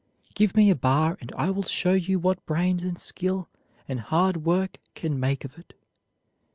Give me a bar, and I will show you what brains and skill and hard work can make of it."